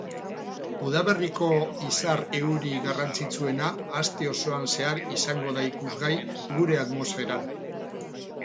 Udaberriko izar-euri garrantzitsuena aste osoan zehar izango da ikusgai gure atmosferan.